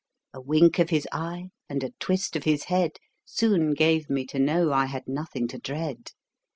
A wink of his eye, and a twist of his head, Soon gave me to know I had nothing to dread.